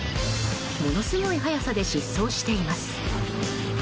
ものすごい速さで疾走しています。